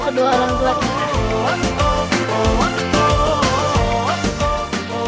kita harus berbakti kepada kedua orang tua kita